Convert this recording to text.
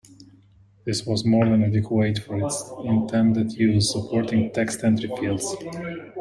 This was more than adequate for its intended use, supporting text entry fields.